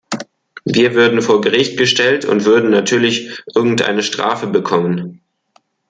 Wir würden vor Gericht gestellt und würden natürlich irgendeine Strafe bekommen.